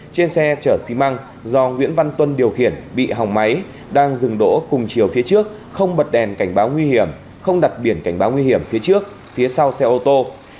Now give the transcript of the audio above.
trên xe chở xi măng do nguyễn văn tuân điều khiển bị hòng máy đang dừng đỗ cùng chiều phía trước không bật đèn cảnh báo nguy hiểm không đặt biển cảnh báo nguy hiểm phía trước phía sau xe ô tô